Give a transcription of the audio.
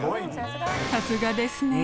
さすがですね。